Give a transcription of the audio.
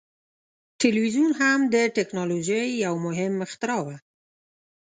ټلویزیون هم د ټیکنالوژۍ یو مهم اختراع وه.